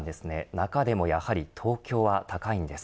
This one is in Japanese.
中でもやはり東京は高いんです。